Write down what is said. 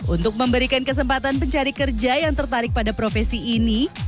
untuk memberikan kesempatan pencari kerja yang tertarik pada profesi ini